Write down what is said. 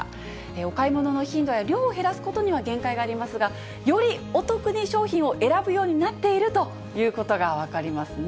お買い物の頻度や量を減らすことには限界がありますが、よりお得に商品を選ぶようになっているということが分かりますね。